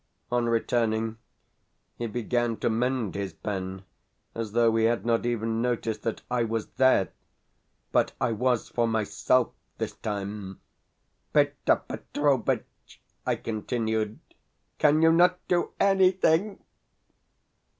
On returning, he began to mend his pen as though he had not even noticed that I was there. But I was for myself this time. "Peter Petrovitch," I continued, "can you not do ANYTHING?"